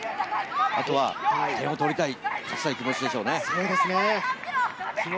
あとは点を取りたい、勝ちたいという気持ちでしょうね。